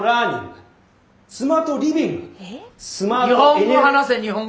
日本語話せ日本語！